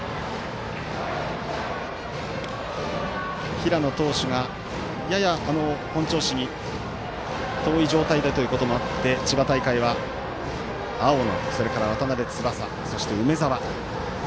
平野投手が、やや本調子に遠い状態だということもあって千葉大会は青野、それから渡邉翼そして梅澤。